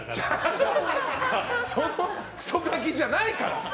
そのクソガキじゃないから。